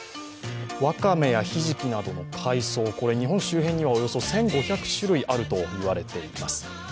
わかめや、ひじきなどの海藻、日本周辺にはおよそ１５００種類あるといわれています。